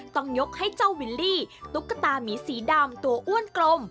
ต้องยกให้เจ้าวิลลี่ตุ๊กตามีสีดำตัวอ้วนกลม